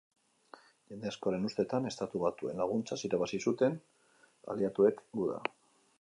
Jende askoren ustetan, Estatu Batuen laguntzaz irabazi zuten aliatuek guda.